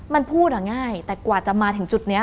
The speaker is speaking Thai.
มันพูดอ่ะง่ายแต่กว่าจะมาถึงจุดนี้